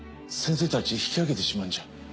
先生たち引き上げてしまうんじゃ。